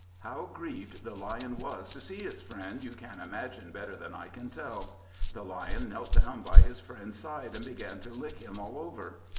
How grieved the Lion was to see his friend, you can imagine better than I can tell. The Lion knelt down by his friend's side, and began to lick him all over.